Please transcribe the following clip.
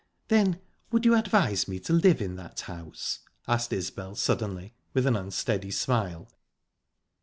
"Then would you advise me to live in that house?" asked Isbel suddenly, with an unsteady smile.